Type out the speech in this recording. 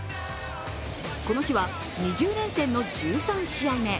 この日は２０連戦の１３試合目。